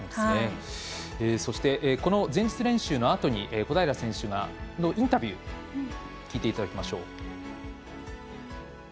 そして、前日練習のあとの小平選手のインタビュー聞いていただきましょう。